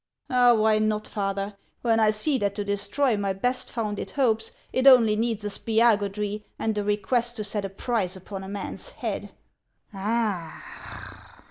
" Oh, why not, Father, when I see that to destroy my best founded hopes it only needs a Spiagudry, and a request to set a price upon a man's head ?"" Ah